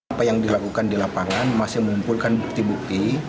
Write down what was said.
apa yang dilakukan di lapangan masih mengumpulkan bukti bukti